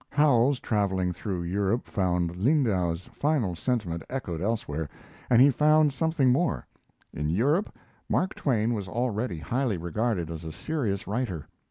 Howells, traveling through Europe, found Lindau's final sentiment echoed elsewhere, and he found something more: in Europe Mark Twain was already highly regarded as a serious writer.